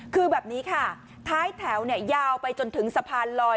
คือแบบนี้ค่ะท้ายแถวเนี่ยยาวไปจนถึงสะพานลอย